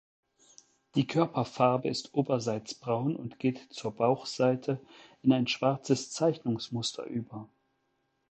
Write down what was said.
Die Körperfarbe ist oberseits braun und geht zur Bauchseite in ein schwarzes Zeichnungsmuster über.